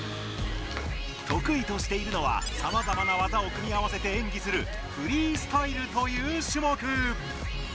得意としているのはさまざまな技を組み合わせて演技する「フリースタイル」という種目。